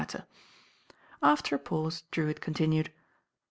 After a pause Drewitt continued.